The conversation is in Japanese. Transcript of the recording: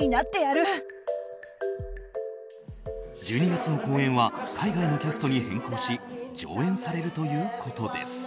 １２月の公演は海外のキャストに変更し上演されるということです。